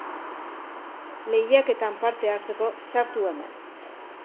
Lehiaketan parte hartzeko sartu hemen.